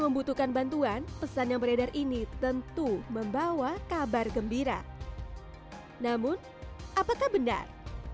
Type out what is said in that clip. membutuhkan bantuan pesan yang beredar ini tentu membawa kabar gembira namun apakah benar